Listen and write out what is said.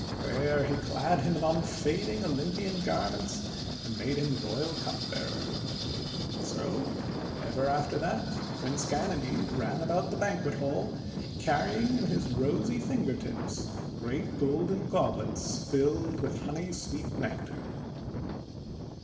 There he clad him in unfading Olympian garments, and made him royal cupbearer. So ever after that Prince Ganymede ran about the banquet hall carrying in his rosy finger tips great golden goblets filled with honey sweet Nectar.